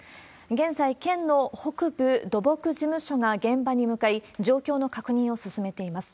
現在、県の北部土木事務所が現場に向かい、状況の確認を進めています。